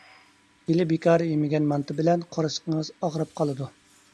ھېلى بىكار يېمىگەن مانتا بىلەن قورسىقىڭىز ئاغرىپ قالىدۇ.